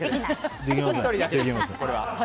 １人だけです。